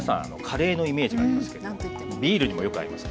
カレーのイメージがありますけどビールにもよく合います。